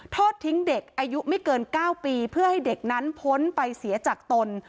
ทอดทิ้งเด็กอายุไม่เกิน๙ปีเพื่อให้เด็กนั้นพ้นไปเสียจากตน